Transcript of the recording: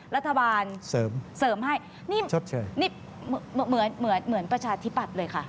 รัฐบาลเสริมให้นี่เหมือนประชาธิปัตย์เลยค่ะ